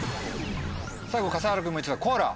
最後笠原君も言ってたコアラ。